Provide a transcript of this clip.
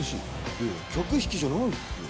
いやいや客引きじゃないっすよ